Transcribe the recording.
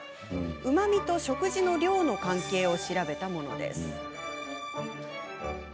うまみと食事の量の関係を調べたものです。